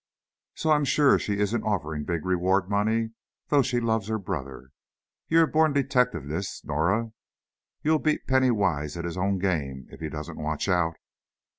So, I'm sure she isn't offering big reward money, though she loves her brother." "You're a born detectivess, Norah. You'll beat Penny Wise at his own game, if he doesn't watch out!"